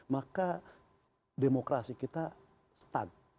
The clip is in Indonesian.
maka demokrasi kita stuck